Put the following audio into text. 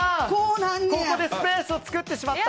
ここでスペースを作ってしまった。